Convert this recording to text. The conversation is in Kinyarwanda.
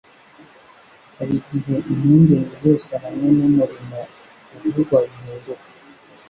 Hari igihe impungenge zose hamwe n'umurimo uvugwa bihinduka